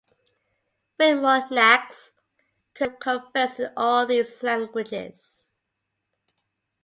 Whitmore Knaggs could converse in all these languages.